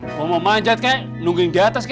kalo mau manjat kek nungguin di atas kek